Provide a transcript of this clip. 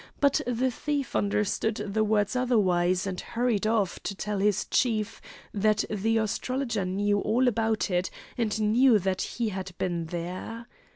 But the thief understood the words otherwise, and hurried off to tell his chief that the astrologer knew all about it and knew that he had been there.